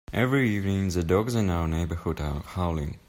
Every evening, the dogs in our neighbourhood are howling.